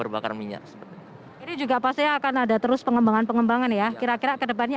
bakar minyak ini juga pasti akan ada terus pengembangan pengembangan ya kira kira kedepannya